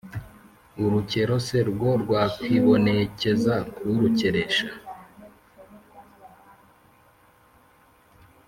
Urukero se rwo, rwakwibonekeza ku urukeresha ?